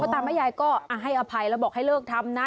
ตามแม่ยายก็ให้อภัยแล้วบอกให้เลิกทำนะ